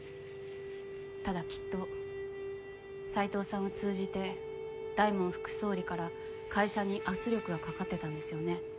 ただきっと斎藤さんを通じて大門副総理から会社に圧力がかかってたんですよね。